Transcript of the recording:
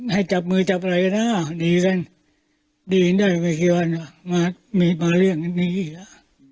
ให้จับมือจับไหนนะเหมือนพอแบบนี้อ่ะ